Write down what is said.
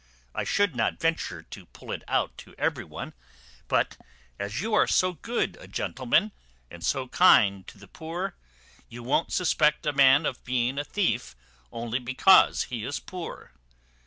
I should not venture to pull it out to every one; but, as you are so good a gentleman, and so kind to the poor, you won't suspect a man of being a thief only because he is poor."